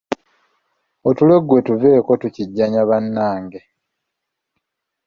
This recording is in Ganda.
Otulo gwe tuveeko tukijjanya bannange.